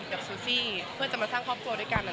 กับซูซี่เพื่อจะมาสร้างครอบครัวด้วยกัน